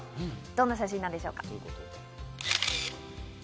どんな写真なんでしょうか？